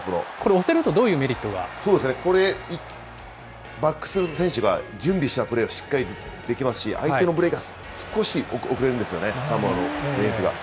これ押せるとどういうメリッそうですね、これ、バックスの選手が準備したプレーをしっかりできますし、相手のプレーが少し遅れるんですよね、サモアの選手が。